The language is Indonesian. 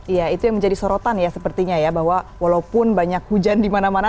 iya itu yang menjadi sorotan ya sepertinya ya bahwa walaupun banyak hujan di mana mana